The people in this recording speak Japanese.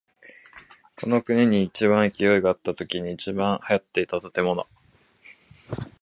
この国に一番勢いがあったときに一番流行っていた建物。